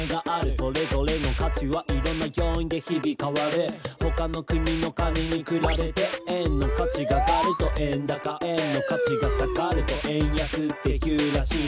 「それぞれの価値はいろんな要因で日々変わる」「ほかの国のお金に比べて」「円の価値が上がると円高」「円の価値が下がると円安っていうらしい」